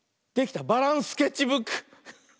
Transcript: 「バランスケッチブック」！